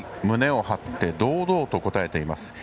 胸を張って堂々と答えています。